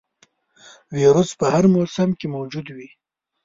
ویروس په هر موسم کې موجود وي.